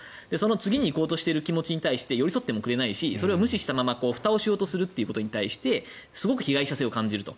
次に行こうとしている気持ちに対して寄り添ってくれないしそれを無視したままふたをしようとするということに関してすごい被害者性を感じると。